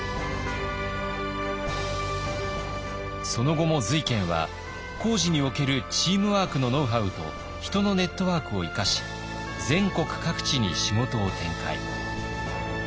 その後も瑞賢は工事におけるチームワークのノウハウと人のネットワークを生かし全国各地に仕事を展開。